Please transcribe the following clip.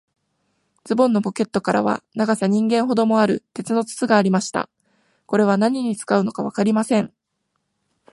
ズボンのポケットからは、長さ人間ほどもある、鉄の筒がありました。これは何に使うのかわかりません。